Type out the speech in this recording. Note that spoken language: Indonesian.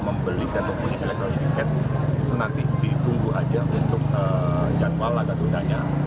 membeli dan mempunyai electoral tiket itu nanti ditunggu aja untuk jadwal laga tundanya